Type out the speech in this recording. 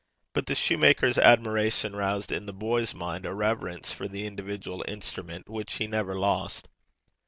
But the shoemaker's admiration roused in the boy's mind a reverence for the individual instrument which he never lost.